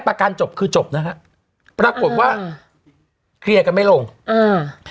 การจบคือจบนะฮะปรากฏว่าเคลียร์กันไม่ลงอ่า